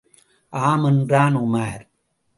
ஆம் என்றான் உமார்.